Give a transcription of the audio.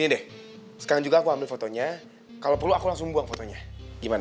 nih deh sekarang juga aku ambil fotonya kalau perlu aku langsung buang fotonya gimana